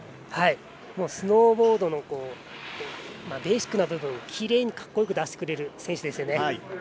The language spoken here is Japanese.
スノーボードのベーシックな部分をきれいに格好よく出してくれる選手です。